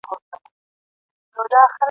بدلوي په یوه ورځ کي سل رنګونه سل قولونه !.